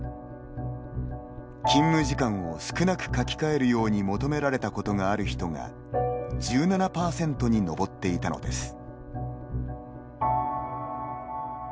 勤務時間を少なく書き換えるように求められたことがある人が１７％に上っていたのです。